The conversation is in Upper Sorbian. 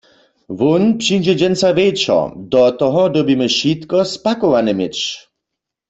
Wón přińdźe dźensa wječor, do toho dyrbimy wšitko spakowane měć.